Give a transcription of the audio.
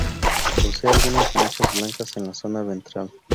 Posee algunas manchas blancas en la zona ventral.